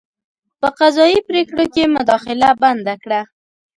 په قضايي پرېکړو کې مداخله بنده کړه.